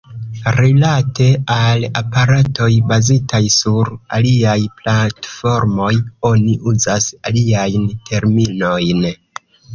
Rilate al aparatoj, bazitaj sur aliaj platformoj, oni uzas aliajn terminojn.